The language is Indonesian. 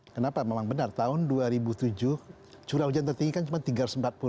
kenapa memang benar tahun dua ribu tujuh curah hujan tertinggi kan cuma tiga ratus empat puluh